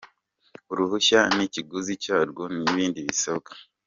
Uruhushya n’ikiguzi cyarwo n’ibindi bisabwa